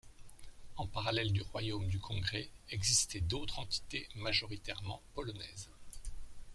En parallèle du Royaume du Congrès existaient d'autres entités majoritairement polonaises.